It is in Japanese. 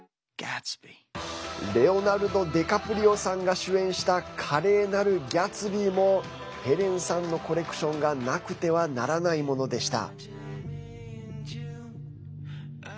レオナルド・ディカプリオさんが主演した「華麗なるギャツビー」もヘレンさんのコレクションがなくてはならないものでした。